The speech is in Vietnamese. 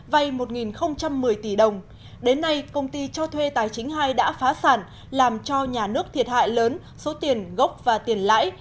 vay một một mươi tỷ đồng đến nay công ty cho thuê tài chính hai đã phá sản làm cho nhà nước thiệt hại lớn số tiền gốc và tiền lãi